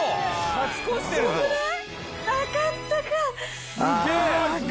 なかったか！